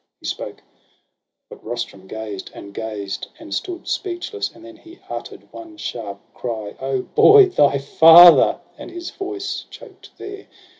He spoke; but Rustum gazed, and gazed, and stood Speechless ; and then he utter'd one sharp cry : O boy — thy father !— and his voice choked there.